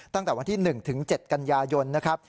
ตั้งแต่วันที่๑ถึง๗กันยายนนะครับ